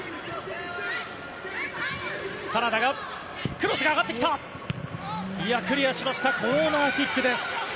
クロスが上がってきたがクリアしてコーナーキックです。